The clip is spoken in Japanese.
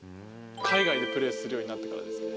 海外でプレーするようになってからですね。